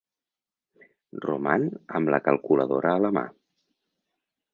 Roman amb la calculadora a la mà.